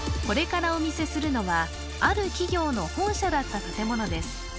これからお見せするのはある企業の本社だった建物です